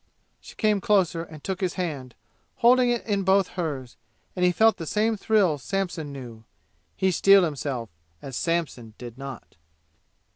She came closer and took his hand, holding it in both hers, and he felt the same thrill Samson knew. He steeled himself as Samson did not.